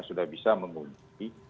sudah bisa memungkinkan